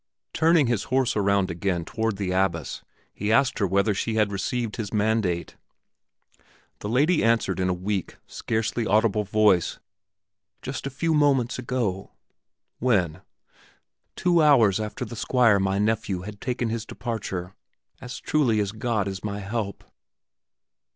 Turning his horse around again toward the abbess he asked her whether she had received his mandate. The lady answered in a weak, scarcely audible voice "Just a few moments ago!" "When?" "Two hours after the Squire, my nephew, had taken his departure, as truly as God is my help!"